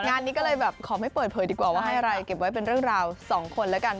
งานนี้ก็เลยแบบขอไม่เปิดเผยดีกว่าว่าให้อะไรเก็บไว้เป็นเรื่องราวสองคนแล้วกัน